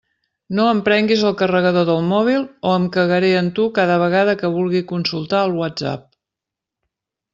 No em prenguis el carregador del mòbil o em cagaré en tu cada vegada que vulgui consultar el Whatsapp.